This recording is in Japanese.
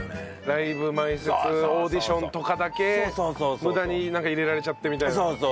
ライブ前説オーディションとかだけ無駄に入れられちゃってみたいな。